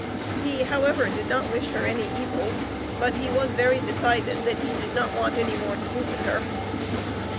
He however did not wish her any evil, but he was very decided that he did not want any more to do with her.